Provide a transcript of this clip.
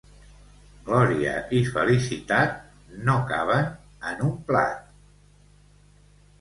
Glòria i felicitat no caben en un plat.